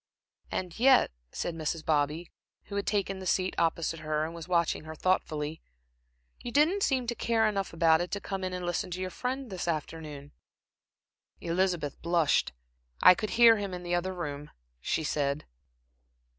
"And yet," said Mrs. Bobby, who had taken the seat opposite her and was watching her thoughtfully, "you didn't seem to care enough about it to come in to listen to your friend this afternoon." Elizabeth blushed. "I could hear him in the other room," she said.